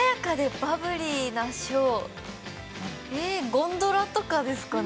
ゴンドラとかですかね？